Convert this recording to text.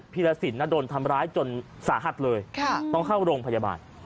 ีรสินโดนทำร้ายจนสาหัสเลยต้องเข้าโรงพยาบาล